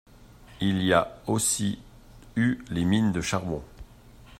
Il y a aussi eu les mines de charbon.